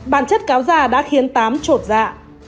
bản chất cáo giả đã khiến tám trột dạ